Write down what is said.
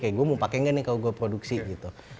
kayak gue mau pakai nggak nih kalau gue produksi gitu